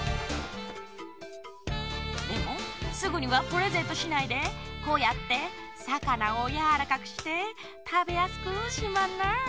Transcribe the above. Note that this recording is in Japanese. でもすぐにはプレゼントしないでこうやってさかなをやわらかくしてたべやすくしまんな。